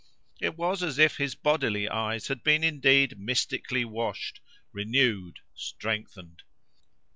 It was as if his bodily eyes had been indeed mystically washed, renewed, strengthened.